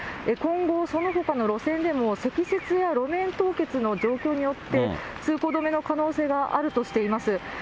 今後、そのほかの路線でも、積雪や路面凍結の状況によって、通行止めの可能性があるとしています。